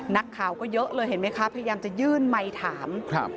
นักข่าวก็เยอะเลยเห็นไหมคะพยายามจะยื่นไมค์ถามครับ